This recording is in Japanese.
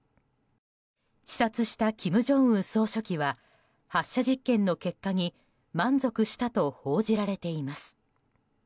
視察した金正恩総書記は発射実験の結果に満足したと報じられています。